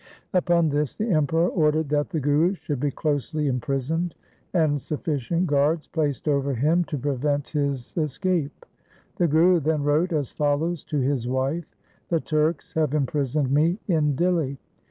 Upon this the Emperor ordered that the Guru should be closely imprisoned, and sufficient guards placed over him to prevent his escape. The Guru then wrote as follows to his wife :—' The Turks have imprisoned me in Dihli.